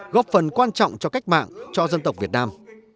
góp phần quan trọng cho cách mạng cho dân tộc việt nam